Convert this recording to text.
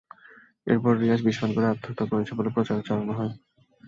এরপর রিয়াজ বিষ পান করে আত্মহত্যা করেছে বলে প্রচার চালানো হয়।